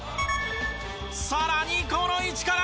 さらにこの位置から。